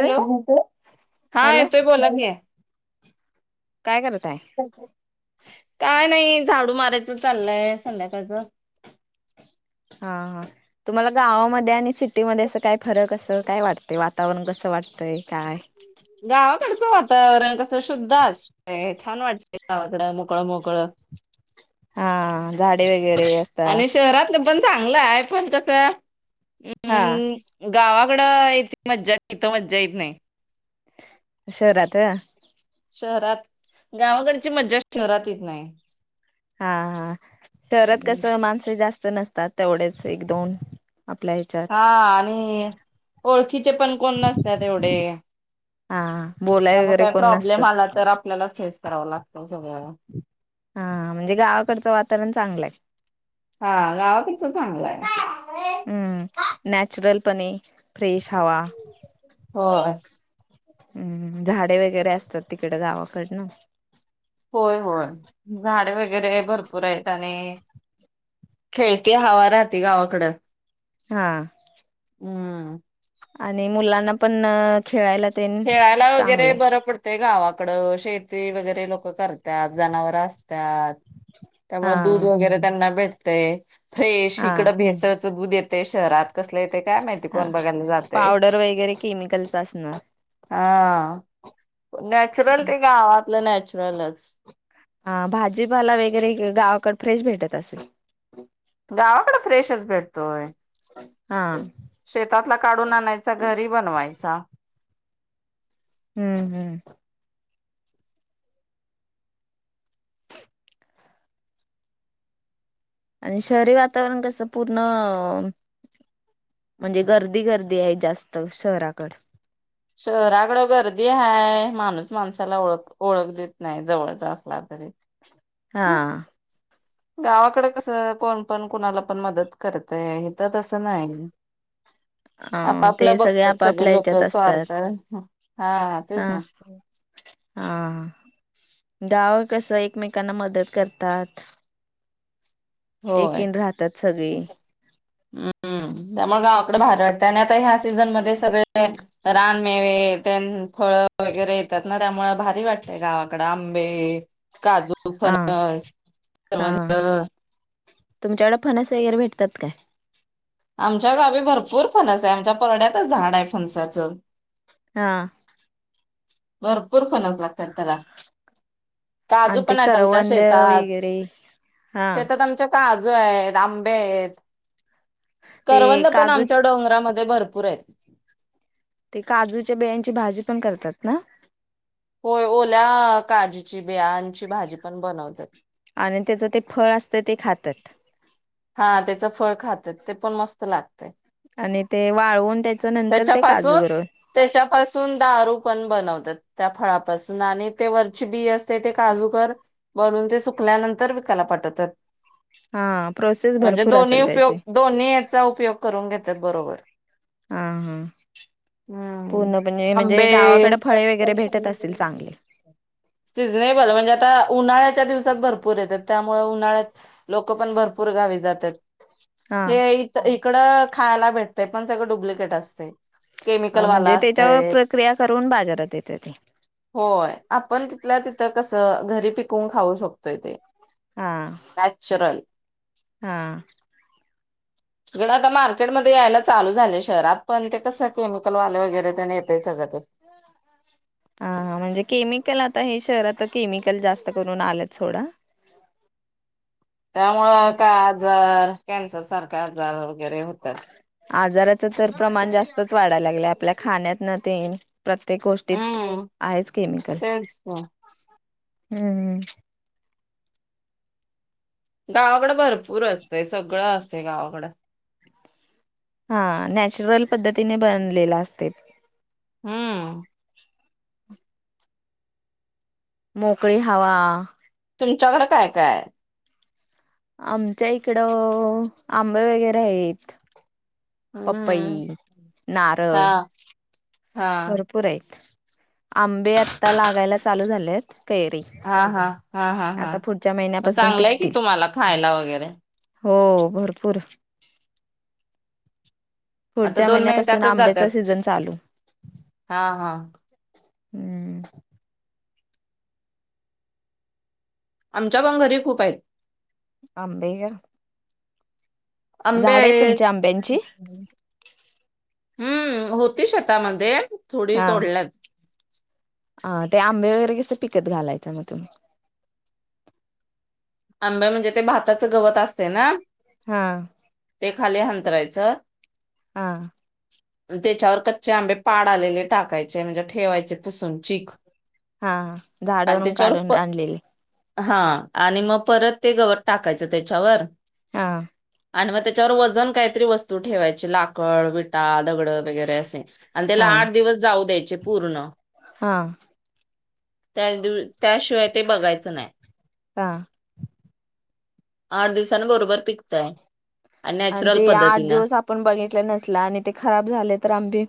Hello हा hello येतोय बोलाकी काय करताय काय नाही झाडू मारायचं चाललंय संध्याकाळच हा हा तुम्हाला गावामध्ये आणि सिटीमध्ये असं काय फरक असं काय वाटतंय वातावरण कसं वाटतंय काय गावाकडचं वातावरण कस शुद्ध असतय छान वाटतंय गावाकड मोकळं मोकळं हा झाडे वगैरे असतात आणि शहरातलं पण चांगलंयआय पण कस हा गावाकडं मज्जा इथ मज्जा येत नाही शहरांत शहरात गावाकडची मज्जा शहरात येत नाही हा हा शहरात नाही कस माणसं जास्त नसतात तेवढेच एक दोन आपल्या ह्याच्यात हा आणि ओळखीचे पण कोण नसतात तेवढे हा हा बोल त्यामुळे काय प्रॉब्लेम आला तर आपल्याला फेस कराव लागतं सगळं हा म्हणजे गावाकडचं वातावरण चांगलं आहे हा आ गावाकडच चांगलंय हम्म नॅचरल पणे फ्रेश हवा हो हम्म झाडे वगैरे असतात तिकडं गावाकड ना होय होय झाडे वगैरे भरपूर आहेत आणि खेळती हवा राहते गावाकड हा आ हम् आणि मुलांना पण खेळायला ते खेळायला वगैरे बरं पडत ते गावाकडं शेती वगैरे लोक करतात जनावर असतात त्यामुळे हा दूध वगैरे त्यांना भेटतय फ्रेश हा इकडं भेसळ दूध येतय ते शहरात कसले ते काय माहिती कोण बघायला जाते दरवेळी घरी. केमिकलच असणार. हा, नॅचरल ते गावातलं नॅचरलच. हा, भाजीपाला वगरे गावाकडे फ्रेश भेटत असेल. गावाकड फ्रेशच भेटतोय होय. हा, शेतातला काढून आणायचा घरी बनवायचा. हम्म हम्म, आणि शहरी वातावरण कसं पूर्ण. म्हणजे गर्दी गर्दी आहे जास्त शहराकड. शहराकड गर्दी आहेय माणूस माणसाला ओळख ओळख देत नाही जवळचा असला तरी. हा हा, गावाकडे कसं कोण पण कुणाला पण मदत करतय हेत तसं नाही. [inaudible] अ ते आपापला सगळे बघतात आपापल्या लोक हच्यात असतात. स्वार्थ हा, तेच ना. हा हा, गाव कसं एकमेकांना मदत करतात. होय. एकेन राहतात सगळी. हम्म, त्यामुळे गावाकडे बाहेर वाटत आणि आता ह्या सीझन मध्ये सगळे. रानमेवे तेन फळ वगैरे येतात ना त्यामुळ भारी वाटले गावाकड आंबे. काजू हा फनस कवंद. तुमच्याकडडे फणस वगैरे भेटत काय. आमच्या गावी भरपूर फणस आहे आमच्या परड्यातच झाड आहे फनसाचं. हा, भरपूर फणस लागतयत त्याला. काजू आणि ते पण आहे आमच्या करवंद शेतात वगैरे हा शेतात आमच्या. आजू आहेत आंबे आहेत. ते करवंद पण काजू आमच्या डोंगरामध्ये भरपूर आहेत. ते काजूच्या बेयांची भाजी पण करतात ना. होय ओल्या काजूची बियांची भाजी पण बनवलीात. आणि त्याचं ते फळ असतं ते खातात. हा त्याच फळ खाते ते पण मस्त लागते. आणि ते वाळवून त्याच्या नंतर ते काजू त्याच्यापासून गून. त्याच्यापासून दारू पण बनवतात. त्या फळापासून आणि ते वरची बी असते ते काजूकर. भरून ते सुकल्यानंतर विकाला पाठवतात. हा, प्रोसेस म्हणजे भरपूर दोन्ही असेल उपयोग त्याची. दोन्ही याचा उपयोग करून घेतात बरोबर. आ हा, हम्म पूर्णपणणे म्हणजे आंबे गावाकडे फळे वगैरे भेटत असतील चांगले. सिझनेबल म्हणजे आता उन्हाळ्याच्या दिवसात भरपूर येतात त्यामुळे उन्हाळ्यात. लोक पण भरपूर गावी जातात हा हे तर इकडं खायला भेटत पण सगळं डुप्लिकेट असते. अ म्हणजे त्याच्यावर प्रक्रिया करून बाजारात येतेती. होय आपण तिथल्या तिथं कसं घरी पिकवून खाऊ शकतोय ते. ''हां'' नॅचरल. हा. हिकडं आता मार्केटमध्ये यायला चालू झालय शहरात, पण ते कसं केमिकल वाल वगैरे तेन येतेय सगंळ ते ह [inaudible] हा-हा, म्हणजे केमिकल आता हे शहरात केमिकल जास्त करून आलंच सोडा त्यामुळं काय आजार कॅन्सर सारखे आजार, वगैरे होतात. खूपच वाढाय लागलय, आपल्या खाण्यातन तेन प्रत्येक गोष्टीत, हम्म आहेच केमिकल. तेच ना. हम्म. गावाकडं भरपूर असतंय, सगळं असतंय गावाकडं. हा, नॅचरल पद्धतीने बनलेल असतय ते. हम्म. मोकळी हवा. तुमच्याकडं काय-काय हाय? आमच्या इकडं, आंबे वगैरे आहेत. पपई, हम्म नारळ हा हा भरपूर आहेत. आंबे आता लागायला चालू झाल्यात, कैरी हा-हा, हा-हा-हा आता पुढच्या मग महिन्यापासून चांगलंय की पिकतील तुम्हाला खायला वगैरे. हो, भरपूर. आता पुढच्या दोन महिन्यापासून मिनिटातच आंब्याचा सीझन चालू. हा-हा. हम्म आमच्या पण घरी खूप आहेत. आंबेय आंबे आहेत. तुमच्या आंब्यांची हम्म, होती शेतामध्ये. थोडी हा, तोडल्यात ते आंबे वगैरे कसे पिकत घालायचं मग तुम्ही? आंबे म्हणजे, ते भाताचं गवत असते ना हा. ते खाली अंतरायचं हा. त्याच्यावर कच्चे आंबे, पाड आलेले टाकायचे, म्हणजे ठेवायचे पुसून चीक हा, आणि झाडवरून त्याच्यावर काढून प आणलेले. हा, आणि मग परत ते गवत टाकायचं त्याच्यावर हा. आणि मग त्याच्यावर वजन काहीतरी वस्तू ठेवायची. लाकड, विटा, दगड वगैरे असे आणि त्याला हा आठ दिवस जाऊ द्यायचे पूर्ण. हा. त्या दिव त्याशिवाय ते बघायचं नाही. हा. आठ दिवसान बरोबर पिकतय. आणि नॅचरल ते आठ पद्धतीनं दिवस आपण बघितलं नसल, आणि ते खराब झाले तर आंबे?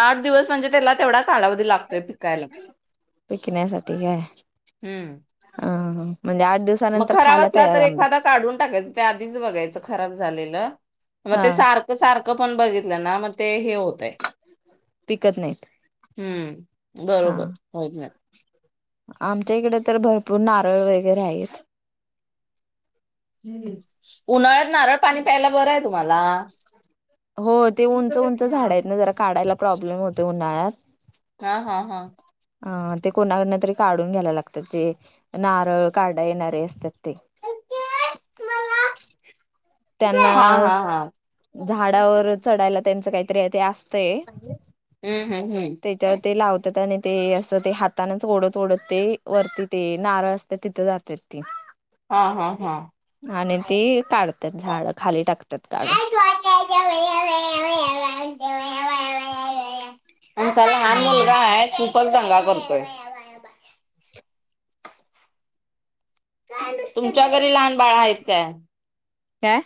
आठ दिवस म्हणजे त्याला तेवढा कालावधी लाग पिकण्यासाठी हे हाय. हा, म्हणजे आठ दिवस म खराब असला तर एखादा काढुन टाकायच तें आधींच बघायच खराब झालेलं मगं हा ते सारख ते सारखं पण बघितलं ना मग ते हें होतयं- पिकतनायीत हुं. हां आमच्यां इकड तर भरपूर नारळ वगैरे हायीत. हुं उन्हाळ्यात नारळ पाणी प्यायला बरंयं तुम्हाला. हों तें उंच उंच झाडयतेंना नां जरा काढायला प्रॉब्लेम होतोय उन्हाळ्यात. हां हां हां. अं तें कोणाकंडन तरी काढून घ्यायला लागतात ते नारळ काढाय येणारे असतात तें. त्यांना हा हा हा झाडांवर चढायला त्यांचं काहीतरी ते अस तय हम्म हम्म हम्म ते तेला ते लावतात आणि ते असं ते हातानंच ओढत ओढत ते वरती ते नारळ असत्यात तिथं जात्यात. तें हा हा हा आणि ती काढत्यात झाडं खाली टाकत्यात काढून. [unintelligible] आमचा लहान हम्म मुलगाहाय खूपच दंगा करतोय. तुमच्या घरी लहान बाळं आहेत काय? काय?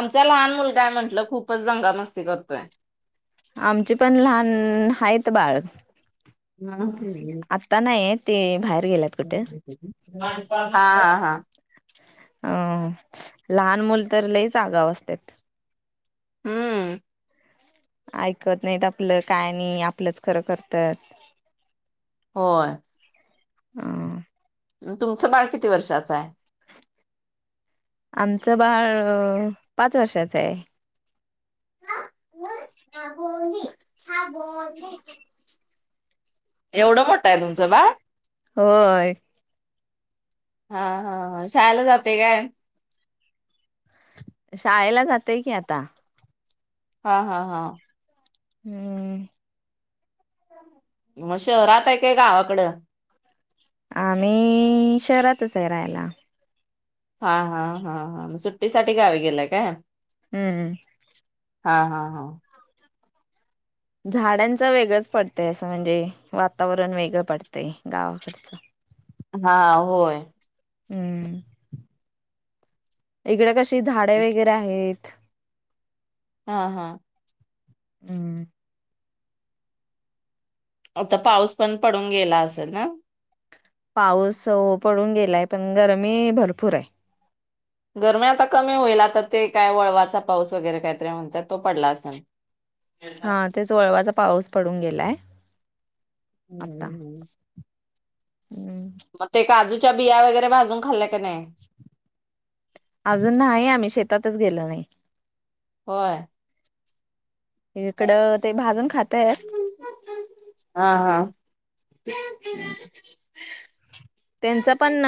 आमचा लहान मुलगायं म्हटलं खूपच दंगा मस्ती करतोय. आमची पण लहान हायत बाळ. नाव तुझे आता नाहीय ते बाहेर गेल्यात. कुठे हां हां हां. अं लहान मुल तर लयीच आगाव असत्यात. हुं. आयकत नाहीत आपलं काय नाही आपलंच खरं करत्यात. होंय अं तुमचं बाळ किती वर्षाचायं? आमचं बाळं पाच वर्षाचंयं. [unintelligible] एवढं मोठायं तुमचं बाळं? होय. हां हां शाळेला जातोय काय? शाळेला जातोयं की आता. हां हां हां. हुं. मं शहरात हाय काय गावाकडं.? आम्ही शहरातचायं राहायला. हां हां हां हां म सुट्टीसाठीठी गावी गेलाय काय? हुं हुं. हां हां हां. झाडांच वेगळंच पडतंय असं म्हणजे वातावरण वेगळं पडतंय गावाकडचं. हां होय. हम्म. इकडे कशी झाड वगैरे आहेत. हा हा. हम्म. आता पाऊस पण पडून गेला असेल ना? पाऊस पडून गेलाय. पण गरमी भरपूर ए. गरमी आता कमी होईल. आता ते काय वळवाचा पाऊस वगैरे काहीतरी म्हणतात तो पडला असलं. हां तेच वळवाचा पाऊस पडून गेलाय आत्ता. हम्म. हम्म. म ते काजूच्या बिया वगैरे भाजून खाल्ल्या की नाही? अजून नाही आम्ही शेतातच गेलो नाही. होय. इकडं ते भाजून खातात. हा हा. हं. त्यांचा पण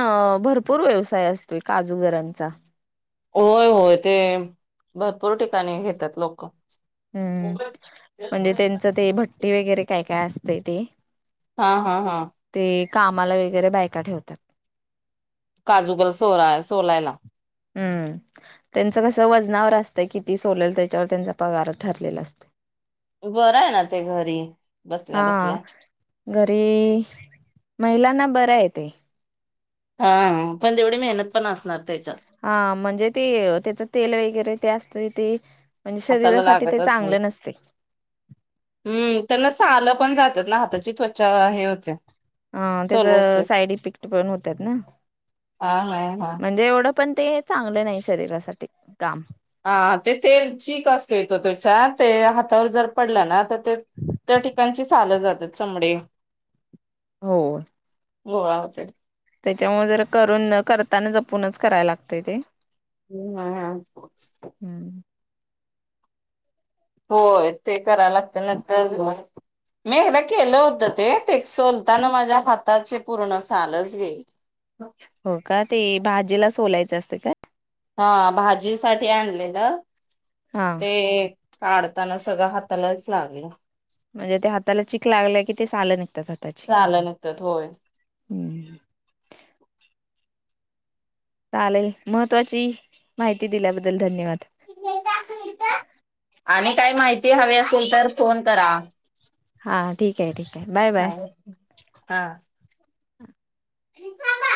भरपूर व्यवसाय असतोय काजूगरांचा. होय होय. ते भरपूर ठिकाणी घेतात लोक. हम्म. म्हणजे त्यांचं ते भट्टी वगैरे काय काय असतय ते. हां. हां. हां. ते कामाला वगैरे बायका ठेवतात. काजू गर सोला सोलायला. हम्म. हं. त्यांचं कसं वजनावर असतंय. किती सोलेल त्याच्यावर त्यांचा पगार ठरलेला असतो. बरय ना ते घरी बसल्या बसल्या. घरी-महिलांना बरं य ते. हां. पण तेवढी मेहनत पण असणार त्याच्यात. हां. म्हणजे ते त्याच तेल वगैरे ते असतेय ते- म्हणजे हाताला शरीरासाठी लागत ते असेल. चांगल नसतय. हम्म. त्यांना साल पण राहत्यात ना? हाताची त्वचा हे होते. अं. चल ओके त्याचे साईड इफेक्ट पण होतात ना? हा हा हा म्हणजे एवढं पण ते- चांगल नाही शरीरासाठी काम. हां. ते तेल चीक असतोय तो त्याच्यात. ते हातावर जर पडलं ना तर- त त्या ठिकाणची साल जातात चमडी. हो. गोळा होत्यात. त्याच्यामुळे जरा करून, करताना जपूनच करायला लागतय ते. हम्. हा. हम्म. होय. ते करायला लागत नंतर- मी एकदा केलं होतं ते. ते सोलताना माझ्या हाताची पूर्ण सालच गेली. [unintelligible] हो का? ते भाजीला सोलायचं असत का? हां. भाजीसाठी आणलेलं. हां. ते काढताना सगळं हातालाच लागलं. म्हणजे ते हाताला चिक लागलं कि ते सालं निघतात हाताची. झालं नकत होय हम् चालेल, महत्त्वाची माहिती दिल्याबद्दल धन्यवाद. आणि काय माहिती हवी असेल तर फोन करा. हां ठीक आहे ठीक आहे बाय बाय हा हा थांबा